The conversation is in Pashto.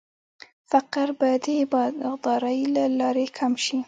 فقر به د باغدارۍ له لارې کم شي.